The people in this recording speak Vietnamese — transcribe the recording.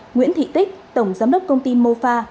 nguyễn thị tích tổng giám đốc công ty mofa